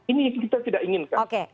ini kita tidak inginkan